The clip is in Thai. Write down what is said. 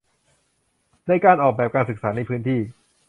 ในการออกแบบการศึกษาในพื้นที่